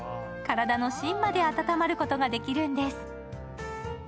体の芯まで温まることができるんです。